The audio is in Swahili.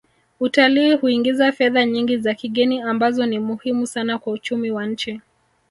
Utalii huingiza fedha nyingi za kigeni ambazo ni muhimu sana kwa uchumi wa nchi